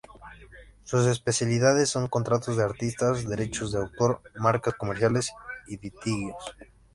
Sus especialidades son contratos de artistas, derechos de autor, marcas comerciales y litigios.